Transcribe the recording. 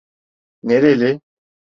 Nereli?